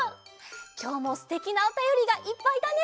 きょうもすてきなおたよりがいっぱいだね！